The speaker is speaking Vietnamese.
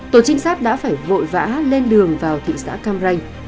tổ trinh sát đã phải vội vã lên đường vào thị xã cam ranh